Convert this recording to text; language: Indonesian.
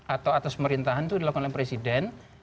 atau atas pemerintahan itu dilakukan oleh presiden